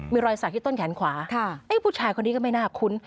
มีรอยสักที่ต้นแขนขวาผู้ชายคนนี้ก็ไม่น่าคุ้น